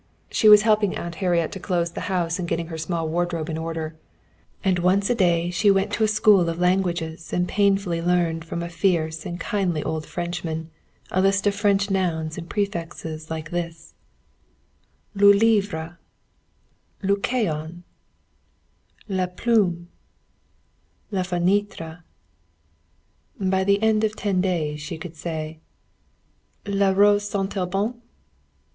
She was helping Aunt Harriet to close the house and getting her small wardrobe in order. And once a day she went to a school of languages and painfully learned from a fierce and kindly old Frenchman a list of French nouns and prefixes like this: Le livre, le crayon, la plume, la fenêtre, and so on. By the end of ten days she could say: "_La rose sent elle bon?